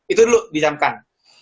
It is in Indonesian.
itu dulu dijamkan